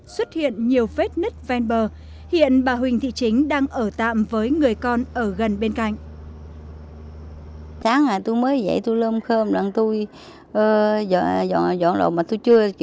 xuất hiện nhiều vết nứt ven bờ hiện bà huỳnh thị chính đang ở tạm với người con ở gần bên cạnh